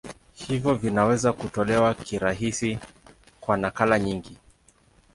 Hivyo vinaweza kutolewa kirahisi kwa nakala nyingi.